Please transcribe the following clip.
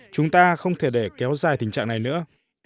chúng ta không thể để kéo dài tình trạng này nữa